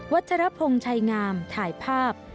ชรพงศ์ชัยงามถ่ายภาพ